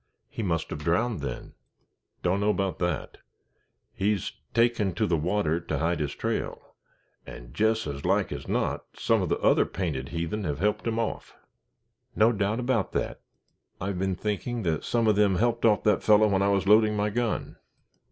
"He must have drowned then." "Dunno 'bout that. He's taken to the water to hide his trail, an' jes' as like as not some of the other painted heathen have helped him off." "No doubt about that. I've been thinking that some of them helped off that fellow when I was loading my gun."